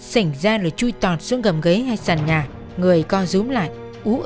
sảnh ra là chui tọt xuống gầm ghế hay sàn nhà người co rúm lại ú ớ không ăn uống gì